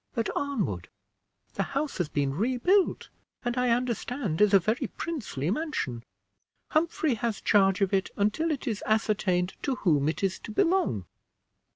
"At Arnwood. The house has been rebuilt, and I understand is a very princely mansion. Humphrey has charge of it until it is ascertained to whom it is to belong."